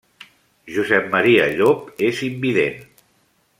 Josep Maria Llop és invident.